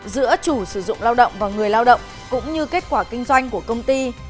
giữa chủ sử dụng lao động và người lao động cũng như kết quả kinh doanh của công ty